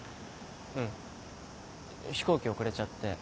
うん飛行機遅れちゃって。